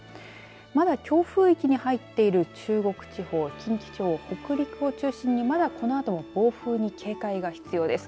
まだ強風域に入っている中国地方、近畿地方北陸を中心に、まだこのあとも暴風に警戒が必要です。